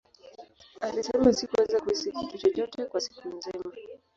Alisema, Sikuweza kuhisi kitu chochote kwa siku nzima.